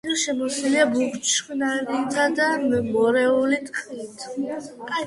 სანაპირო შემოსილია ბუჩქნარითა და მეორეული ტყით.